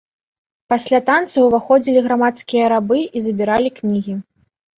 Пасля танца ўваходзілі грамадскія рабы і забіралі кнігі.